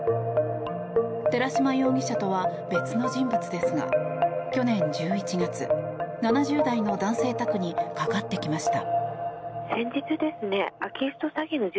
寺島容疑者とは別の人物ですが去年１１月７０代の男性宅にかかってきました。